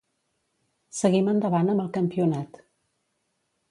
Seguim endavant amb el campionat.